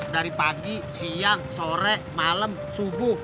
dari pagi siang sore malam subuh